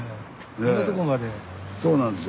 こんなとこまで。